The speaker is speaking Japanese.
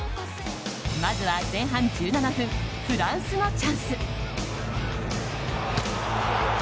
まずは前半１７分フランスのチャンス。